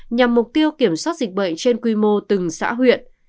nhằm mục tiêu kiểm soát dịch bệnh trên quy mô từng xã huyện